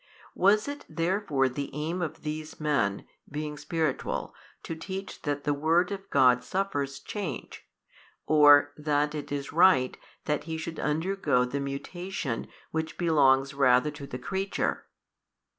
Was it therefore the aim of these men, being spiritual, to teach that the Word of God suffers change, or that it is right that He should undergo the mutation which belongs rather to the creature?